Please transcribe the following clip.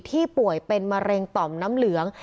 ป่วยเป็นมะเร็งต่อมน้ำเหลือง